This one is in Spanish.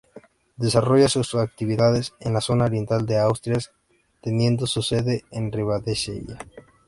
Desarrolla su actividad en la zona oriental de Asturias teniendo su sede en Ribadesella.